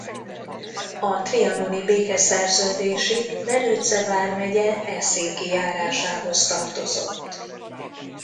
A trianoni békeszerződésig Verőce vármegye Eszéki járásához tartozott.